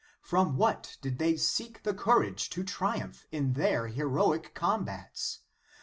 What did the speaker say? From what did they seek the courage to triumph in their heroic combats